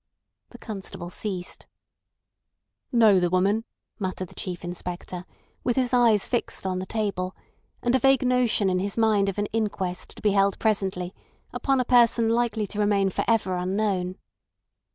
The constable ceased. "Know the woman?" muttered the Chief Inspector, with his eyes fixed on the table, and a vague notion in his mind of an inquest to be held presently upon a person likely to remain for ever unknown.